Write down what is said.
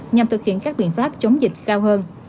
nhằm thực hiện các biện pháp chống dịch cao hơn